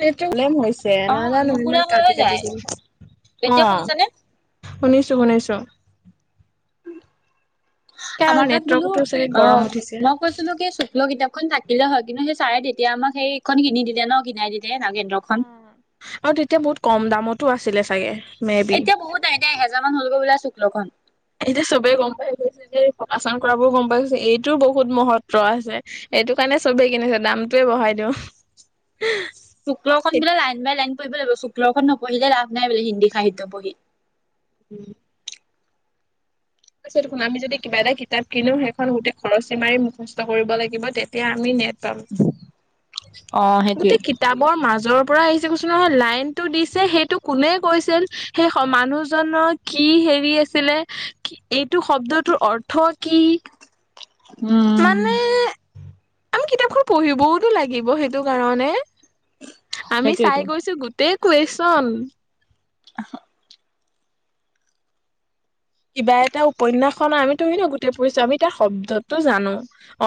Problem হৈছে অ নাজানো নুশুনা ইমান হৈ হৈ কাটি কাটি যায় দি অ এতিয়া শুনিছানে [unintelligible] শুনিছো শুনিছো তাৰ আমাৰ তাত বোলো নেটৱৰ্কতো চাগে অ গৰম উঠিছে। নখন শুক্ল কিতাপখন নাই দিলে হয় কিন্তু সেই চাৰে তেতিয়া আমাক সেইখন কিনি দিলে ন কিনাই দিলে নাগেন্দ্ৰখন। আৰু তেতিয়া বহুত কম দামতো আছিলে চাগে। Maybe. এতিয়া বহুত আহ এয়া এহেজাৰান হলগৈ ওলাইছো শককলখন। এতিয়া চবেই গম পাই গৈছে যে প্ৰকাচাৰ কৰাবোৰ গম পাই গৈছে এইটোও বহুত মহত্ব আছে। এইটো কাৰণে চবেই কিনিছে দামটোৱে বঢ়াই দিওঁ। [unintelligible] শুক্ল খন জিলা লাইন বাই লাইন। পঢ়িব লাগিব শুক্লখন পঢ়িলে লাভ নাই বুলি হিন্দী সাহিত্য পঢ়ি। ও [unintelligible] আছে দেখোন মাক নিজে দে কিবা এটা কিতাপ কিনোও সেইখন সুধে খৰচ। এমাই মুখস্থ কৰিব লাগিব তেতিয়া আমি নেট। কাম অ সেইটোৱে গোটেই কিতাবৰ মাজৰ। কি পৰা আহিছে কৈছ নহয় লাইনতটো দিছে সেইটো কোনে কৈছিল সেই স মানুহজননৰ কি। হেৰি আছিলে কি এইটো শব্দটোৰ অৰ্থ কি। ওঁম। মানে আমি কিতাপখন পঢ়িবওতো লাগিব সেইটো কাৰণে। আমি সেইটোয়েতো চাই গৈছো গোটেই কুৱেশ্যন। আ হা [unintelligible] কিবা এটা উপন্যাখনা আমিতো গোটেই পঢ়িছো আমি তাৰ শব্দতটো জানো।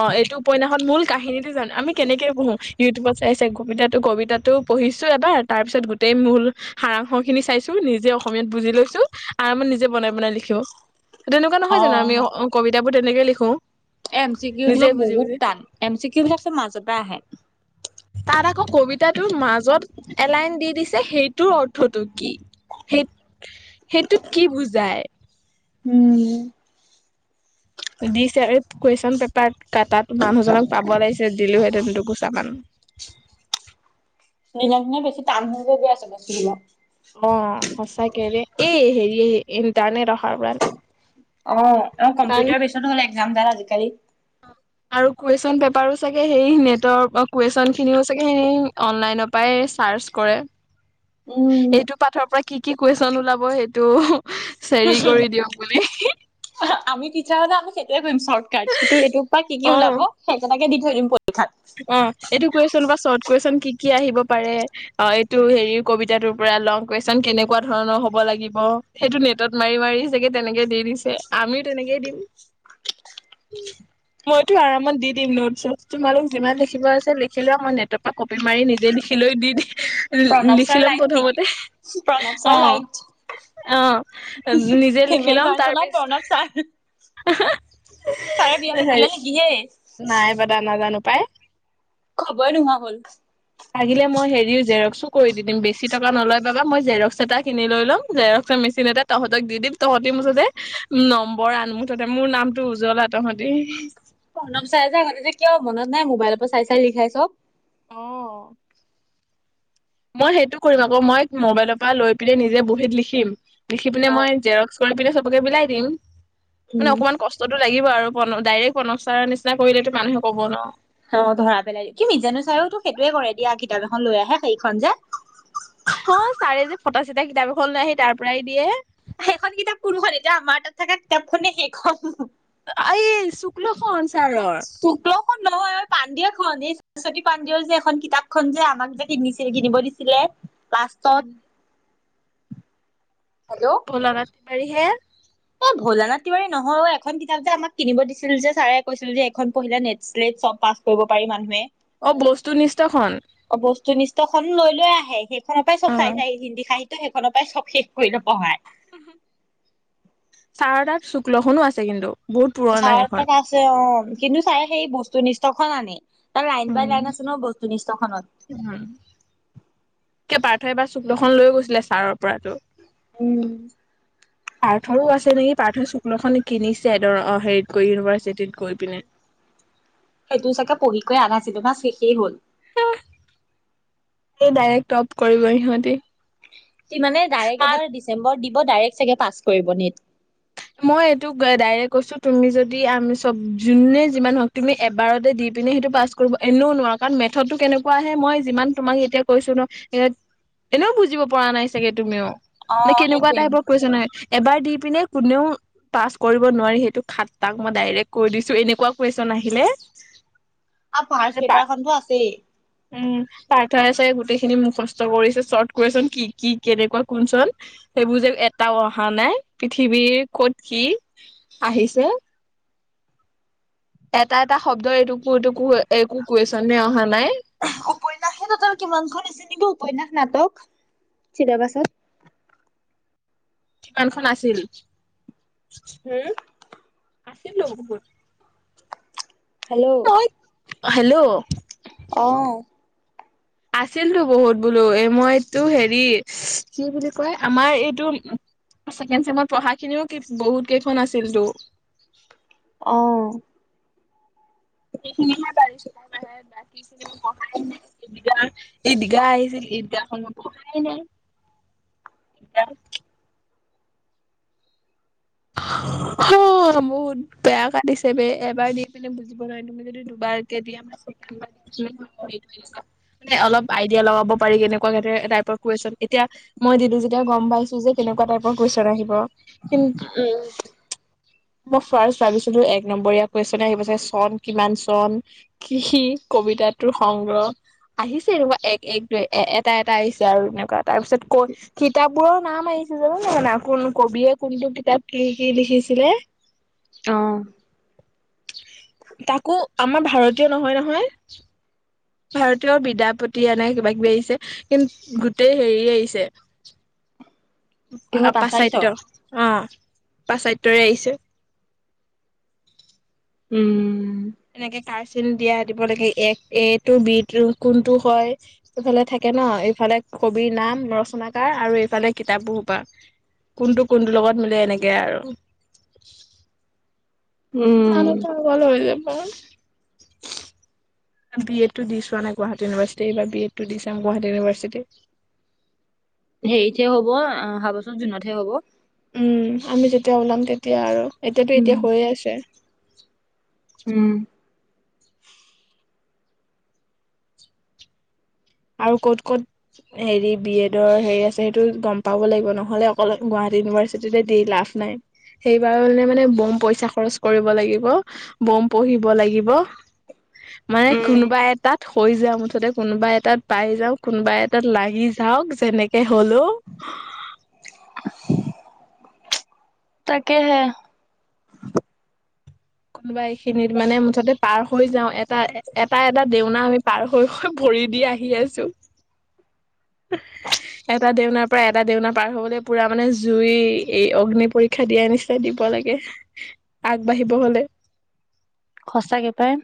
অ এইটো পন্যাসত মূল কাহিনীটো জানো আমি কেনেকে পঢ়ো ইউটিউবত চাই চাই কবিতাটো কবিতাটো পঢ়িছো এবাৰ তাৰ পিছত গোটেই মূল সাৰাং খিনি চাইছো নিজে অসমীয়াত বুজি লৈছো আমি নিজে বনাই বনাই লি ছ তেনেকুৱা নহয় অ জানো আমি অংক কিতাপবোৰ তেনেকে লিখো এম চি কিউ নিজে বিলাক বুজি বহুত বুজি টান এম চি চিউ বিলাক মাহা চুকা আহে তাত আকৌ কবিতাটোৰ মাজত এলাইন দি দি দিছে সেইটোৰ অৰ্থটো কি হিত সেইটোত কি বুজায় [unintelligible] ওঁম দিছে এড কুৱেশ্বন পেপাত কাতাত মানুহজনক পাব লাগিছে দিলোহেতেন দুঘোচা মান [unintelligible] দিনক দিনে বেছি টান হৈ গৈছে আছে বেছি দিনক অ সঁচাকে হেৰি ইণ্টাৰনেট অ [unintelligible] অ কাৰণ কম্পিউটাৰ বেচন হলে একজাম দাল বিছাৰি আৰু কুৱেশচন পেপাৰো চাগে সেই নেটৰ কুৱেশচন খিনিও চাগে সেই অনলাইনৰ পাই চা চাছ কৰে উম, এইটো পাঠৰ পৰা কি কি কুৱেচন ওলাব হেটো [unintelligible] চেৰি কৰি দিয়ক বুলি হি হি [unintelligible] আমি তিাৰলে আমি সেইয়োৱে কৰিম চৰ্টকাট এইটো এইটোৰ পা কি কি ওলাব অ', সেইকেইটে দি থৈ দিম ফুট অ এইটো কুৱেচন বা শট কোৱেচন কি কি আহিব পাৰে অ এইটো হেৰি কবিতাটোৰ পৰা লং কুৱেশচন কেনেকুৱা ধৰণৰ হব লাগিব সেইটো নেটত মাৰি মাৰি চেগে তেনেকে দি দিছে আমিও তেনেকে দিম [inaudible] ওম মইতো আৰামত দি দিম নোট চুট তোমালোক যিমান লিখিব আছে লিখিলেও মই নেটৰ পৰা কপি মাৰি নিজে লিখিলৈ দি দিম লি প্ৰণৱ ছাৰ লিখি লম লাইট নেকি? প্ৰথমতে প্ৰণৱ অ ছাই লাইট অ নিজে লিখি ফিমেল লম তাৰ ভাৰ্চন অফ পিছ প্ৰণৱ ছাৰ। আ হা ছাৰে বিয়া হেই পাতিলে নেকি হে? হাই বাদা নাজানো পাই খবৰে নোহোৱা হ'ল লাগিলে মই হেৰিও জেৰক্সচো কৰি দি দিম বেছি টকা নলয় বা মই জেৰক্স এটা কিনি লৈ লম জেৰক্স মেচিন এটা তহতক দি দিম তহঁতি মুথতে আন মুঠতে মোৰ নামটো উজ্জ্বলা তহঁতি। ত চাই চাই লিখাই চ। অ মই সেইটো কৰিম আকৌ মই মোবাইলৰ পৰা লৈ পিনে নিজে বহীত লিখিম লিখি পিনে অ' মই জক [unintelligible] কৰি পিনে চবকে বিলাই দিম উম, মানে অকমান ক লাগিব আৰু ডাইৰেক্ট প্ৰনৱাৰ নিচিনা কৰিলে মানুহে কব ন। অ ধৰা পেলাই দ কিমি জানো চাই তোক সেইটোৱে কৰে দিয়া কিতাপ এখন লৈ আহে সেইখন যে অ ছাৰে যে ফটা চিটা কিতাপ এখন লৈ আহি তাৰ পৰাই দিয়ে। সেইখন কিতাপ কোনখন এতিয়া আমাৰ তাত থকা কিতাপখনে সেইখন। আহ শুকখন নহয় পাণ্ডিয়া খন এই সৰস্বতী পাণ্ডেৰ যে এখন কিতাপখন যে আমাক যে কিনিছিল কিনিব দিছিলে। লাষ্টত। হেল্ল' ভলা ৰাতি বাৰি হে। [unintelligible] এ ভোলানাথ তিৱাৰী নহয়ও এখন কিতাপ যে আমাক কিনিব দিছিল যে ছাৰে কৈছিল যে এখনপঢ়িলে নেট্ট চব পা। [unintelligible] কৰিব পাৰি মানুহে। অ বস্তু নিষ্ঠখন। নিষ্ট খন লৈ লৈ আহে সেইখনৰ পৰাই অ চব চাই চাই হিন্দী সাহিত্য সেইখনৰ পৰাই চব শেষ কৰি পঢ়ায়। ছাৰ তাত শুক্ল খননো আছে কিন্তু। বহুত পুৰণা ছাৰত সেইখন তাত আছে অ কিন্তু ছাৰে সেই বস্তু নিষ্ট খন আনে। তাৰ লাইন বাই উম লাইন আছে ন বস্তুনিষ্টখনত। পাৰ্থ এবাৰ শুক্লখন লৈ গৈছিলে ছাৰৰ পৰাটো। উম পাৰ্থৰো আছে নেকি পাৰ্থ শুক্লখন কিনিছে ধৰ অ হেৰিত গৈ ইউনিভাৰ্চিটি গৈ পিনে। সেইটো চাগে পঢ়ি কৈ আধাছিলেভাচ শেষেই হ'ল। ডাইৰেক্ট টপ কৰিব সিহঁতি। সি মানে ডাৰেক্ট মাত এবাৰ ডিচম্বৰ দিব ডাৰেক্ট পাছ কৰিব নেট। মই এইটোক ডাৰেক্ট কৈছো তুমি যদি আমি চব যোনে যিমান হওক তুমি এবাৰতে দি প সেইটো পাছ কৰিব এনেও নোৱাৰ কাৰণ মেথতটো কেনেকুৱা আহে মই যিমান তোমাক এতিয়া কৈছো ন এনেও বুজিব পৰা নাই চাগে তুমিও অ নে কেনেকুৱা সেইটোৱে টাইপৰ কৈছা নহ। এবাৰ দি পিনে কোনেও পাছ কৰিব নোৱাৰি সেইটো খাটাং মই ডাৰেক্ট কৈ দিছো এনেকুৱা কুৱেশচন আহিলে। আৰু ফাৰ্ষ্ট পা পেপাৰখনতো আছেই। উম পা তাৰে চাৰে গোটেইখিনি মুখস্থ কৰিছে চৰ্ট কুৱেশচন কি কি কেনেকুৱা কোনচোন সেইবোৰ যে এটা, অহা নাই পৃথিৱীৰ ক'ত কি আহিছে। এটা এটা শব্দ এইটো এইটো একো কুৱেশচনে অহা নাই। ত কিমান খন আছে নেকি উপনয়াস নাটক চিতাৰ পাছত। কিমানখন আছিল। হম আছিলোঁ বহুত। হেল্ল' মই হেল্ল' অহ আছিলো বহুত বোলো এই মইটো হেৰি কি বুলি কয় আমাৰ এইটো ছেকেণ্ড চেমৰ পঢ়া খিনিও বহুত কেইখন আছিলতো। অহ সেইখিনিহে পাৰিছো তাৰ বাকীখিনি মই পঢ়াই এই দিঘা আহিছিল। বিয়াখনাই নাই [inaudible] [inaudible] [unintelligible] বহুত বেয়া কাটিছে ব এবাৰ দি পিনে বুজিব নোৱাৰি তুমি যদি দুবাৰকে দি আমাৰ চ এইটোৱে কাম মানে অলপ আইডিয়া লগাব পাৰি কেনেকুৱা কুৱেচণ এতিয়া মই দিলো যেতিয়া গম পাইছো যে এনেকুৱা টাইপৰ কুৱেচন আহিব কিন্তু উম মই ফাৰ্ষ্ট ভাবিছিলো এক নম্বৰীয়া কুৱেচন আহিব যে চন কিমান চন কি কি কবি তে টোৰ সংগ্ৰহ আহিছে এনেকুৱা এক এক দুই এ এটা এটা আহিছে আৰু এনেকুৱা তাৰ পিছত কৈ কিতাপ বোৰৰ নাম আহিছে জান নাই কোন কবিয়ে কোনটো কিতাপ কি কি লিখিছিলে। অ তাকো আমাৰ ভাৰতীয় নহয় নহয়। ভাৰতীয় বিদাপতি এনে কিবা কিবি আহিছে কিন্তু গোটেই হেৰি আহিছে। [inaudible] পাচাইত পাশ্চাত্য অ পাশ্চাত্যৰে আহিছে। উম এনেকে কাৰচিন দিয়া দিব লাগে এক এ টু বি কোনটো হয় সেইফালে থাকে ন। এইফালে কবিৰ নাম ৰচনাকাৰ আৰু এইফালে কিতাপৰ সোপা। কোনটো কোনটো লগত মিলে এনেকে আৰু [inaudible] উম মানু্হ পাগল হৈ যাম। [inaudible] বি এড টো দি চোৱা নাই গুৱাহাটী ইউনিভাৰ্চিটি এইবাৰ বি এড টো দি চাম গুৱাহাটী ইউনিভাৰ্চিটি হেৰিতহে হ'ব অহা বছৰ জুনতহে হ'ব। উম আমি যেতিয়া ওলাম তেতিয়া আৰু এতিয়াতো উম এতিয়া হৈয়ে আছে উম, আৰু ক'ত ক'ত হেৰি বি এডৰ হেৰি আছে সেইটো গম পাব লাগিব নহ'লে অকল গুৱাহা ইউনিভাৰ্চিটিতে দি লাভ নাই সেইবাৰে মানে বম পইচা খৰচ কৰিব লাগিব বম পঢ়িব লাগিব মানে উম। কোনোবা এটাত হৈ যায় মুঠতে কোনোবা এটাত পাই যাওঁ কোনোবা এটাত লাগি যাওঁক যেনেকে হলো তাকেহে কোনোবা এইখিনিত মানে মুঠতে পাৰ হৈ যাওঁ এটা এটা এটা দেওনা আমি পাৰ হৈ হৈ ভৰি দি আহি আছো [inaudible] এটা দেউনাৰ পৰা এটা দেউনাাৰ পাৰ হবলৈ পুৰা মানে জুই এই অগ্নি পৰীক্ষা দিয়া নি নিচনা দিব লাগে আগবাঢ়িব হলে সঁচাকৈ পায়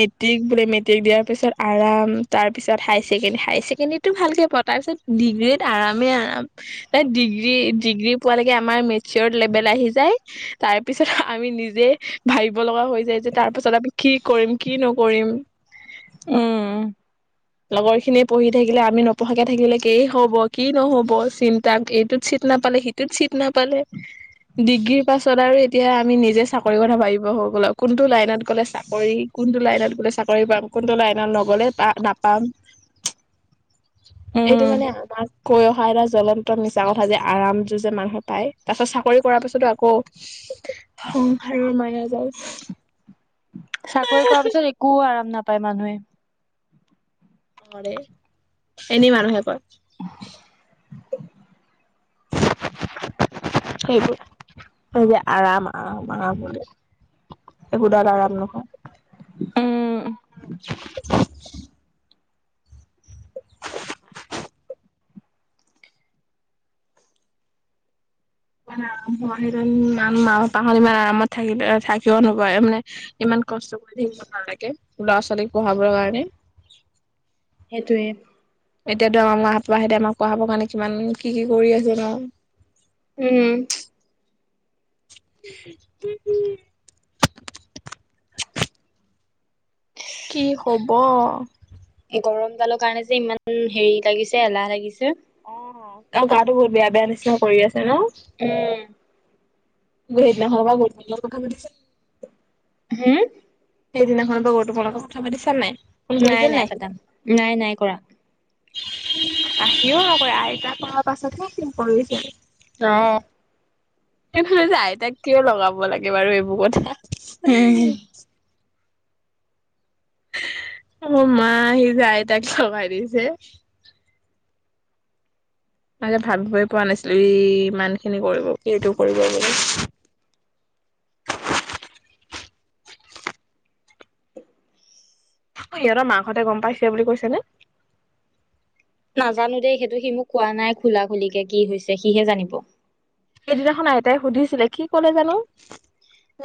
মেট্ৰিক বোলে মেট্ৰিক দিয়াৰ পিছত আৰাম তাৰপিছত হাই ছেকেণ্ডে হাই ছেকেণ্ডৰীটো ভালকৈ প তাৰপিছত ডিগ্ৰীত আৰামে আৰাম ডিগ্ৰী ডিগ্ৰী পোৱালৈকে আমাৰ মেচিঅৰ্ড লেভেল আহি যায় তাৰ পিছত আমি নিজে ভাবিব লগা হৈ যায় যে তাৰ পাছত আমি কি কৰিম কি নকৰিম উম লগৰ খিনিয়ে পঢ়ি থাকিলে আমি নপঢ়াকে থাকিলে কেই হব কি নহব চিন্তা এইটোত নাপালে সিটোত চিট নাপালে ডিগ্ৰীৰ পাছত আৰু এতিয়া আমি নিজে চাকৰি কথা ভাবিব হৈ গল কোনটো লাইনত গ'লে চাকৰি কোনটো লাইনত গলে চাকৰি পাম কোনটো লাইনত নগলে না পাম এইটো উম। মানে আমাৰ কৈ অহা এটা জ্বলন্ত মিছা কথা যে আৰাম যোৰ যে মানুহে পায় তাৰ পিছত চাকৰি কৰাৰ পিছতো আকৌ সংসাৰৰ মায়া জাল চাকৰি কৰা পিছত একো আৰাম নাপায় মানুহে। নোৱাৰে এনেই মানুহে কয়। [inaudible] সেইবোৰ যে আৰাম আৰাম আৰাম বুলে এইবোৰ [unintelligible] উম সেই ই মাহ পাহত ইমান আৰামত থাকিল থাকিব নপাৰে মানে ইমান কষ্ট কৰি থাকিব নালাগে ল'ৰা ছোৱালীক পঢ়াবৰ কাৰণে সেইটোৱে এতিয়াতো আমাৰ মাহেতে আমাক পঢ়াবৰ কাৰণে কিমান কি কি কৰি আছে ন। উম উম উম কি হব গৰম কালৰ কাৰণে যে ইমান হেৰি লাগিছে এলাহ লাগিছে অ অ গাটো বহুত বেয়া বেয়া নিচিনা কৰি আছে ন উম, [unintelligible] হম সেইদিনাখনৰ বা তোমাৰ লগত কথা পাতিছা নাই। ফোন নাই কৰিছে নাই পাতা নাই নাই কৰা আহিও নকয় আইতা পঢ়াৰ পাছতহে কৰি য আহ সেই মানে যে আইতাক কিয় লগাব লাগে বাৰু এইবোৰ কথা উম, অ মা সি যে আই তাক লগায় দিছে মই যে ভাবিবই পোৱা নাছিলো ই ইমান খিনি কৰিব সেটো কৰিব বুলি [inaudible] সিহঁতৰ মাকহঁতে গম পাইছে বুলি কৈছেনে? নাজানো দেই সেইটো সি মোক কোৱা নাই খোলা খুলিকে কি হৈছে সিহে জানিব। সেইদিনাখন আইতাই সুধিছিলে কি কলে জানো!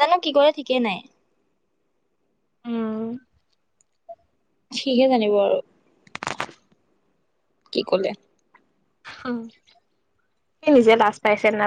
জানো কি কৰে ঠিকেই নাই। উম সিহে জানিব আৰু। কি কলে? সি নিজে লাজ পাইছে না?